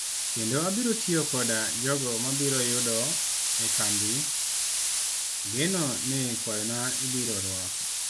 Kendo abiro tiyo koda jogo mabiro yudo e kambi ageno ni kwayona ibiro rwako.